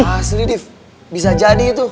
asli dip bisa jadi itu